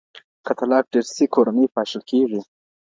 که طلاق ډېر سي کورنۍ پاشل کیږي.